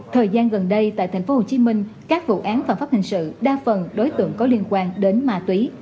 thời gian gần đây tại thành phố hồ chí minh các vụ án phản pháp hình sự đa phần đối tượng có liên quan đến ma túy